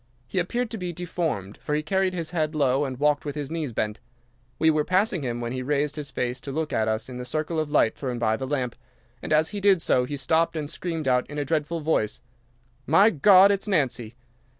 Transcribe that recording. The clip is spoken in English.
He appeared to be deformed, for he carried his head low and walked with his knees bent. We were passing him when he raised his face to look at us in the circle of light thrown by the lamp, and as he did so he stopped and screamed out in a dreadful voice, "My God, it's Nancy!"